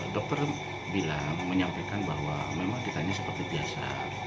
dokter bilang menyampaikan bahwa memang kita ini seperti biasa